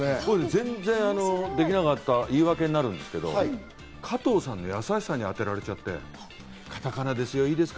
全然できなかった言い訳になるんですけど、加藤さんの優しさにあてられちゃって、カタカナですよ、いいですか？